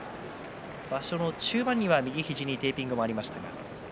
場所の中盤には右肘にテーピングもありました。